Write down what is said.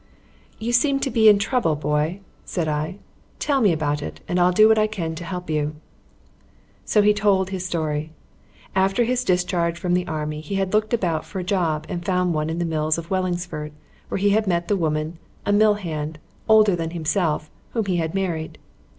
"You seem to be in trouble, boy," said I. "Tell me all about it and I'll do what I can to help you." So he told his story. After his discharge from the Army he had looked about for a job and found one at the mills in Wellingsford, where he had met the woman, a mill hand, older than himself, whom he had married.